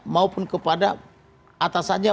maupun kepada atasannya